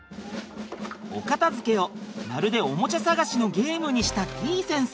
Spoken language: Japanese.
お片づけをまるでおもちゃ探しのゲームにしたてぃ先生。